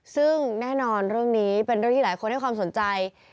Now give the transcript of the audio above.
ซึ่งแน่นอนเรื่องนี้เป็นเรื่องที่หลายคนให้ความสนใจ